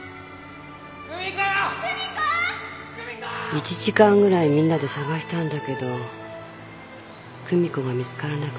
１時間ぐらいみんなで捜したんだけど久美子が見つからなくて。